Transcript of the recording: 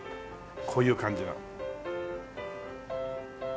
こういう感じの。